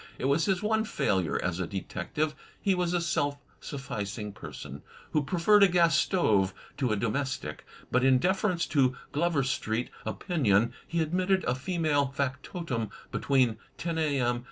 It was his one failure as a detective. He was a self sufficing person, who preferred a gas stove to a domestic; but in deference to Glover Street opinion he admitted a female factotum between ten a.m.